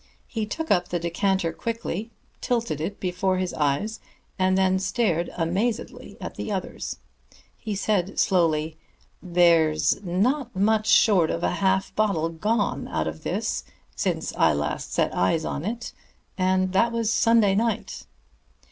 He took up the decanter quickly, tilted it before his eyes, and then stared amazedly at the others. He said slowly: "There's not much short of half a bottle gone out of this since I last set eyes on it and that was Sunday night."